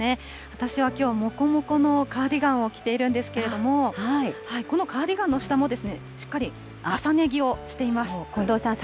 私はきょう、もこもこのカーディガンを着ているんですけれども、このカーディガンの下も、しっかり重ね着をしています。